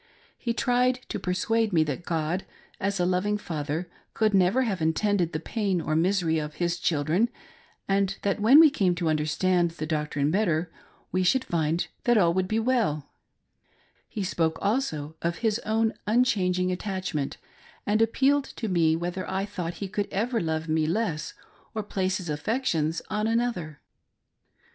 He tried to persuade me that God as a loving Father could never have intended the pain or misery of his children, and that when we came to understand the doctrine better, we should find that all would be well He spoke also of his own unchanging attachment, and appealed to me whether I thought he could ever love me less or place his affections on another.